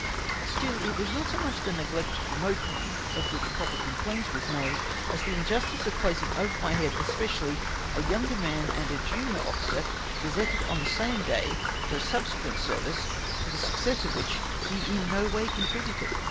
Still it was not so much the neglect to promote me, of which proper complaint was made, as the injustice of placing over my head especially, a younger man and a junior officer, gazetted on the same day for a subsequent service, to the success of which he in no •degree contributed.